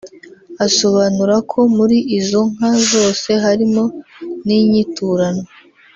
Asobanura ko muri izo nka zose harimo n’inyiturano